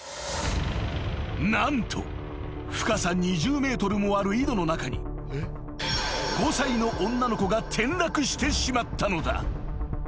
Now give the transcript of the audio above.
［何と深さ２０ｍもある井戸の中に５歳の女の子が転落してしまったのだ］